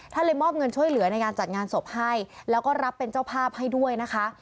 เลยมอบเงินช่วยเหลือในการจัดงานศพให้แล้วก็รับเป็นเจ้าภาพให้ด้วยนะคะ